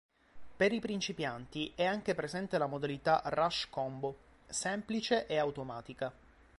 Per i principianti, è anche presente la modalità "Rush Combo", semplice e automatica.